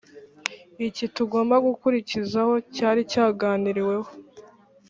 iki tugomba gukurikizaho cyari cyaganiriweho